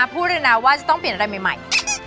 พูดเลยนะว่าจะต้องเปลี่ยนอะไรใหม่